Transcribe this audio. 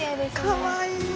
かわいい。